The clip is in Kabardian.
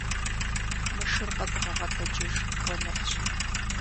Мы шыр къэдвгъэгъэтэджыж, гуэныхьщ.